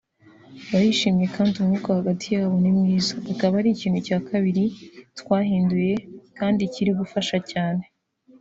barishimye kandi umwuka hagati yabo ni mwiza bikaba ari ikintu cya kabiri twahinduye kandi kiri gufasha cyane